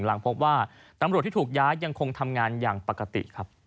หลังพบว่าตำรวจที่ถูกย้ายยังคงทำงานอย่างปกติครับ